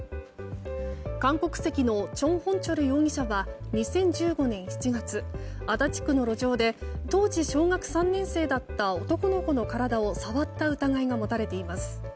韓国籍のチョン・ホンチョル容疑者は２０１５年７月足立区の路上で当時小学３年生だった男の子の体を触った疑いが持たれています。